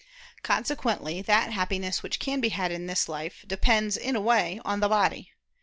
Consequently that happiness which can be had in this life, depends, in a way, on the body.